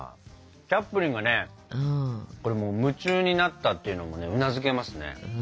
チャップリンがねこれもう夢中になったっていうのもねうなずけますね。